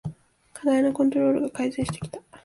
課題のコントロールが改善してきた